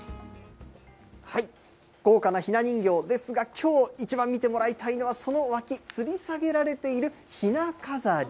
豪華なひな人形ですが、きょう、一番見てもらいたいのはその脇、つり下げられているひな飾り。